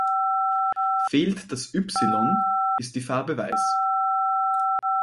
Fehlt das „Y“, ist die Farbe weiß.